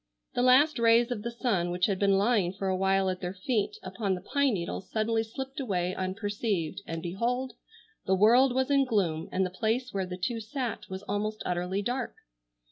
The last rays of the sun which had been lying for a while at their feet upon the pine needles suddenly slipped away unperceived, and behold! the world was in gloom, and the place where the two sat was almost utterly dark.